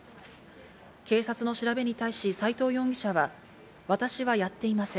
警察の調べに対し斎藤容疑者は私はやっていません。